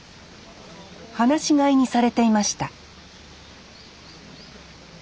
放し飼いにされていました